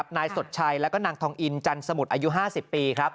นายสดชัยแล้วก็นางทองอินจันสมุทรอายุ๕๐ปี